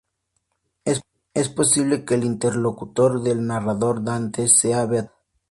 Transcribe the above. Es posible que el interlocutor del narrador, Dante, sea Beatriz.